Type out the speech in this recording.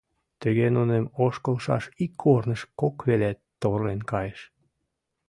Тыге нунын ошкылшаш ик корнышт кок веке торлен кайыш.